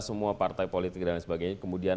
semua partai politik dan lain sebagainya kemudian